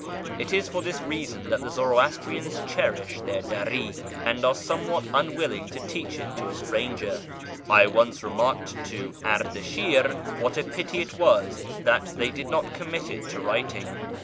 It is for this reason that the Zoroastrians cherish their Dari, and are somewhat unwilling to teach it to a stranger. I once remarked to Ardashir what a pity it was that they did not commit it to writing.